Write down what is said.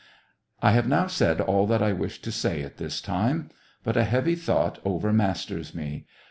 I have now said all that I wish to say at this time. But a heavy thought overmasters me.